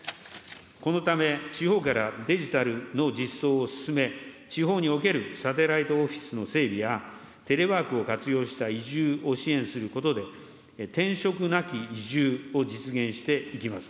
このため、地方からデジタルの実装を進め、地方におけるサテライトオフィスの整備や、テレワークを活用した移住を支援することで、転職なき移住を実現していきます。